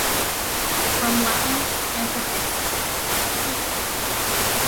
From Latin "antefixa", pl.